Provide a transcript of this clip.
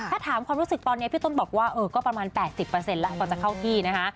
ถ้าถามความรู้สึกตอนนี้พี่ต้นบอกว่าก็ประมาณ๘๐แล้วกว่าจะเข้าที่นะคะ